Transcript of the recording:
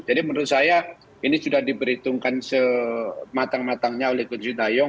jadi menurut saya ini sudah diberhitungkan sematang matangnya oleh kocintayong